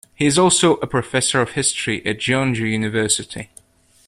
He is also a professor of history at Jeonju University.